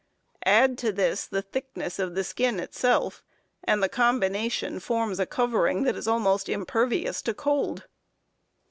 Add to this the thickness of the skin itself, and the combination forms a covering that is almost impervious to cold.